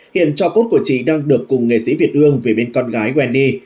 hiện cho cốt của chị đang được cùng nghệ sĩ việt hương về bên con gái wendy